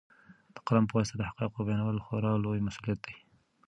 د قلم په واسطه د حقایقو بیانول خورا لوی مسوولیت دی.